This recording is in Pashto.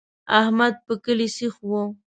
احمد په کلي سیخ وي.